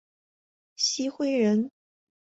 郗恢人。